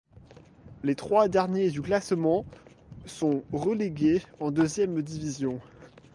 Les trois derniers du classement sont relégués en deuxième division.